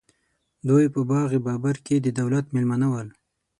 دوی په باغ بابر کې د دولت مېلمانه ول.